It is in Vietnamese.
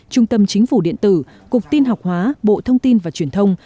trung tâm chính phủ điện tử cục tin học hóa bộ thông tin và truyền thông